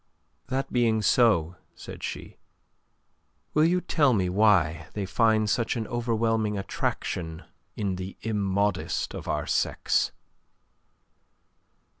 "That being so," said she, "will you tell me why they find such an overwhelming attraction in the immodest of our sex?"